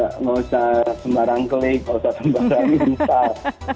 tidak usah sembarang klik tidak usah sembarang install